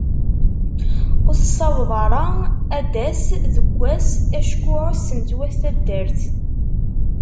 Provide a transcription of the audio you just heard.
Ur tessaweḍ ara ad d-tass deg wass acku ɛussen-tt wat taddart.